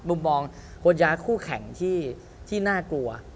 มุมมองคนย้ายคู่แข่งที่น่ากลัว